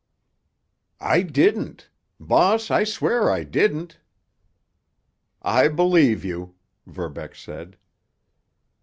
"I didn't! Boss, I swear I didn't!" "I believe you," Verbeck said.